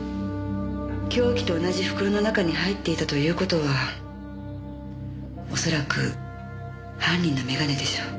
凶器と同じ袋の中に入っていたという事は恐らく犯人の眼鏡でしょう。